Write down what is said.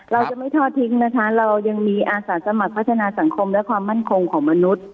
เราจะไม่ทอดทิ้งนะคะเรายังมีอาสาสมัครพัฒนาสังคมและความมั่นคงของมนุษย์